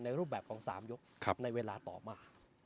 รูปแบบของ๓ยกในเวลาต่อมา